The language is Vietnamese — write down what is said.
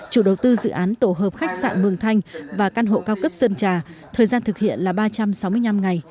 chủ đầu tư dự án tổ hợp khách sạn mường thanh và căn hộ cao cấp sơn trà thời gian thực hiện là ba trăm sáu mươi năm ngày